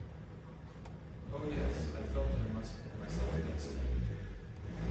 Oh yes, I felt that I must pit myself against him.